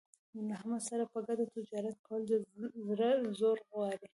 له احمد سره په ګډه تجارت کول د زړه زور غواړي.